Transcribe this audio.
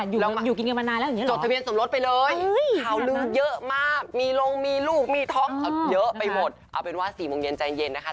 อยู่กินเงินมานานแล้วอย่างงี้หรอ